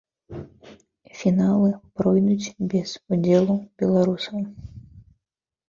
Фіналы пройдуць без удзелу беларусаў.